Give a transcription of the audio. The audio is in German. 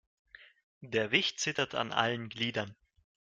Der Wicht zitterte an allen Gliedern.